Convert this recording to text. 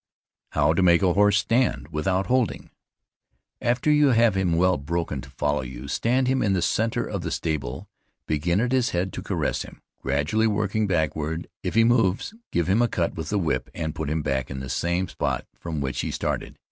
HOW TO MAKE A HORSE STAND WITHOUT HOLDING. After you have him well broken to follow you, stand him in the center of the stable begin at his head to caress him, gradually working backward. If he move, give him a cut with the whip and put him back in the same spot from which he started.